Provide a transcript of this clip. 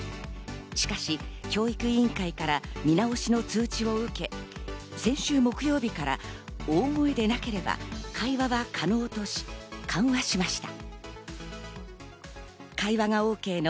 しかし教育委員会から見直しの通知を受け、先週木曜日から大声でなければ会話は可能とし、緩和しました。